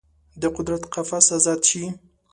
د قدرت قفس ازاد شي